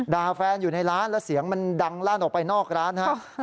แฟนอยู่ในร้านแล้วเสียงมันดังลั่นออกไปนอกร้านครับ